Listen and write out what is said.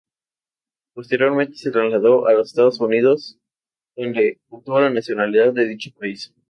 Posteriormente se trasladó a los Estados Unidos, donde obtuvo la nacionalidad de dicho país.